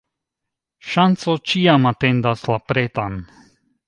Ŝanco ĉiam atendas la pretan.